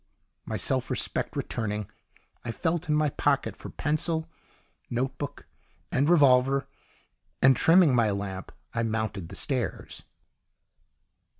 My self respect returning, I felt in my pocket for pencil, notebook and revolver, and trimming my lamp I mounted the stairs.